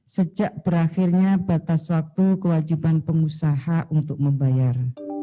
sejak berakhirnya batas waktu kewajiban pengusaha untuk membayar